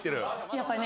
やっぱね。